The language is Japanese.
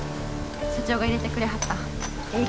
社長が入れてくれはったええ